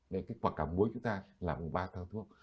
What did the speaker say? đấy cái quả cà muối của chúng ta là một ba thăng thuốc